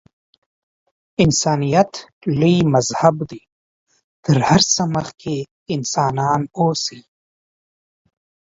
انسانیت لوی مذهب دی. تر هر څه مخکې انسانان اوسئ.